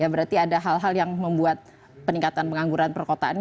berarti ada hal hal yang membuat peningkatan pengangguran perkotaan